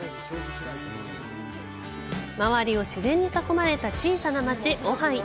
周りを自然に囲まれた小さな街オハイ。